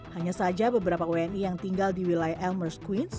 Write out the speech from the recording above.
hanya saja beberapa wni yang tinggal di wilayah elmers ⁇ queens